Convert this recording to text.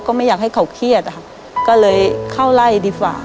ไม่อยากให้เขาเครียดอะค่ะก็เลยเข้าไล่ดีกว่า